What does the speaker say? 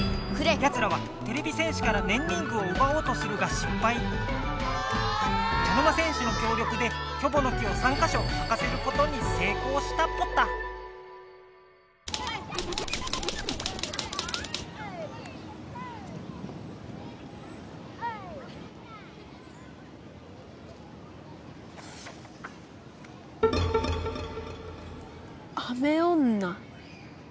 やつらはてれび戦士からねんリングをうばおうとするがしっぱい茶の間戦士のきょう力でキョボの木を３かしょさかせることにせいこうしたポタ！雨女。